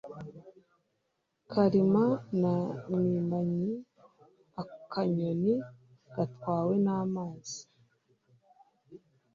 Kararima na Mwimanyi-Akanyoni gatwawe n'amazi.